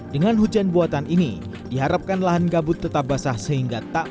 dengan hujan buatan ini diharapkan lahan gabut tetap basah sehingga tak